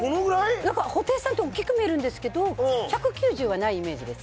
布袋さんって大きく見えるんですけど、１９０はないイメージです